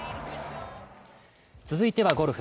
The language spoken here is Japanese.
続いてはゴルフ。